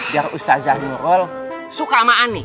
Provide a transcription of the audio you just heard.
biar ustazanul suka sama aneh